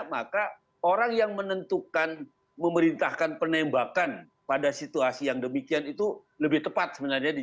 maka orang yang menentukan memerintahkan penembakan pada situasi yang demikian itu lebih tepat sebenarnya di